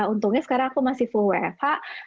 untungnya sekarang aku masih full wfh